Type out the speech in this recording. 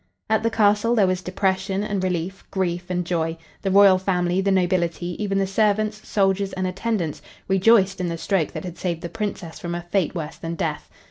At the castle there was depression and relief, grief and joy. The royal family, the nobility, even the servants, soldiers and attendants, rejoiced in the stroke that had saved the Princess from a fate worse than death.